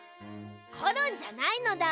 コロンじゃないのだ。